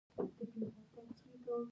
افغانستان د خپلو ښارونو له مخې پېژندل کېږي.